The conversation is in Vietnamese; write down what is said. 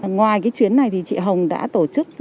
ngoài cái chuyến này thì chị hồng đã tổ chức